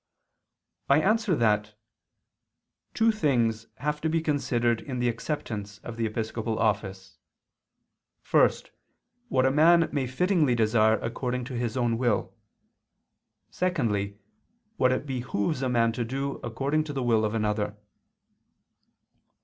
I answer that, Two things have to be considered in the acceptance of the episcopal office: first, what a man may fittingly desire according to his own will; secondly, what it behooves a man to do according to the will of another.